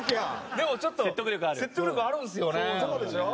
でもちょっと説得力あるんですよね。